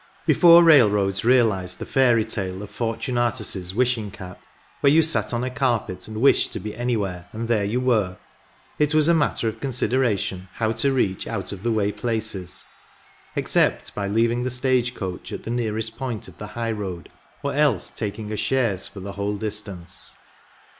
Before railroads realised the fairy tale of Fortunatus's wishing cap, where you sat on a carpet and wished to be anywhere, and there you were, it was matter of consideration how to reach out of the way places, except by leaving the stage coach at the nearest point of the high road, or else taking a chaise for the whole distance.